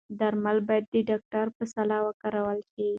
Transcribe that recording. درمل باید د ډاکتر په سلا وکارول شي.